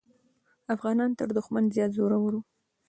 افغانان تر دښمن زیات زړور وو.